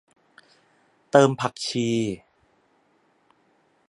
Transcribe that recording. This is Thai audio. เติมผักชี